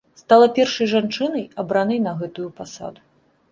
Стала першай жанчынай, абранай на гэтую пасаду.